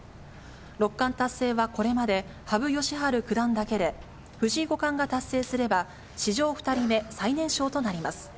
六冠達成はこれまで羽生善治九段だけで、藤井五冠が達成すれば、史上２人目、最年少となります。